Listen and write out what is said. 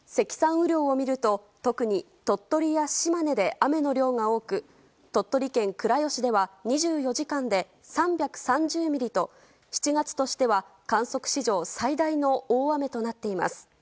雨量を見ると特に鳥取や島根で雨の量が多く鳥取県倉吉では２４時間で３３０ミリと７月としては観測史上最大の大雨となっています。